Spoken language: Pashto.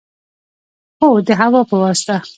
هو، د هوا په واسطه